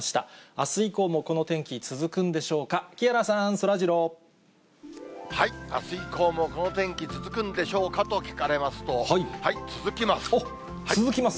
あす以降もこの天気、続くんでしあす以降もこの天気、続くんでしょうかと聞かれますと、続きます。